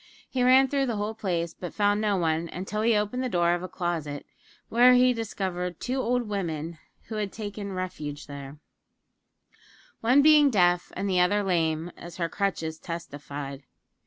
He ran through the whole place, but found no one, until he opened the door of a closet, when he discovered two old women who had taken refuge there; one being deaf and the other lame, as her crutches testified.